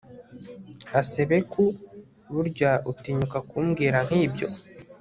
asebeku, burya utinyuka kumbwira nkibyo